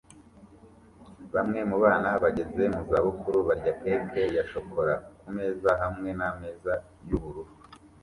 Bamwe mu bana bageze mu zabukuru barya cake ya shokora kumeza hamwe nameza yubururu